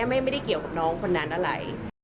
ไม่ได้เกี่ยวกับน้องคนนั้นอะไร